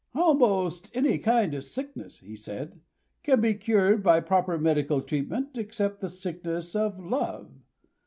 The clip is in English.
"Almost any kind of sickness," he said, "can be cured by proper medical treatment, except the sickness of love.